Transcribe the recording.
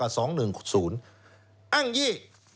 อั้งยี้